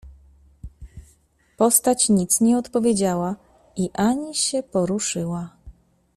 "Postać nic nie odpowiedziała i ani się poruszyła."